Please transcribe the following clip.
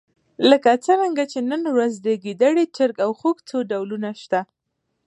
لکه څرنګه چې نن ورځ د ګېدړې، چرګ او خوګ څو ډولونه شته.